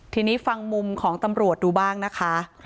ทีนี้ฟังมุมของตำรวจดูบ้างนะคะ